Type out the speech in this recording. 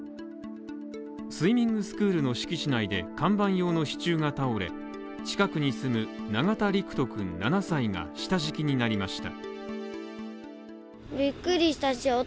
スイミングスクールの敷地内で、看板用の支柱が倒れ、近くに住む永田陸人くん７歳が下敷きになりました。